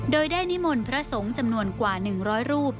โดยได้นิมนต์พระสงฆ์จำนวนกว่า๑๐๐รูป